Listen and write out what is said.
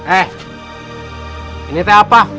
eh ini teh apa